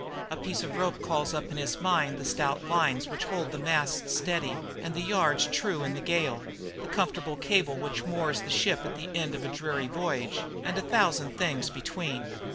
A piece of rope calls up in his mind the stout lines which hold the masts steady and the yards true in the gale, the comfortable cable which moors the ship at the end of the dreary voyage, and a thousand things between.